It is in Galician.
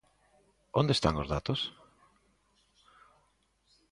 ¿Onde están os datos?